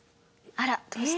あら！